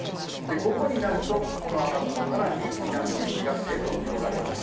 午後になると、この雨雲、更に南へ東へと広がります。